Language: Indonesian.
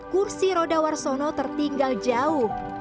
kursi roda warsono tertinggal jauh